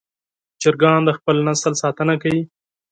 چرګان د خپل نسل ساتنه کوي.